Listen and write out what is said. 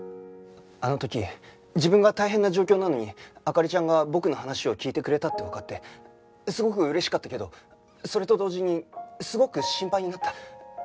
あの時自分が大変な状況なのに灯ちゃんが僕の話を聞いてくれたってわかってすごく嬉しかったけどそれと同時にすごく心配になった。